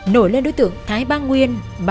nổi lên đối tượng thái bang nguyên